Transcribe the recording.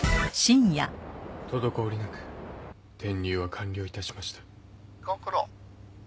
滞りなく転入は完了いたしました。